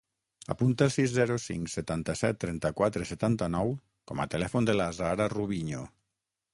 Apunta el sis, zero, cinc, setanta-set, trenta-quatre, setanta-nou com a telèfon de l'Azahara Rubiño.